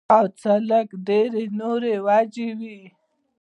او څۀ لږې ډېرې نورې وجې وي